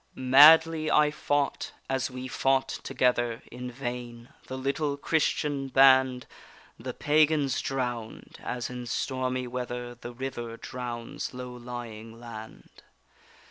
Madly I fought as we fought together; In vain: the little Christian band The pagans drown'd, as in stormy weather, The river drowns low lying land.